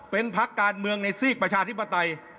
เป็นพักการเมืองในซีกประชาธิปไตย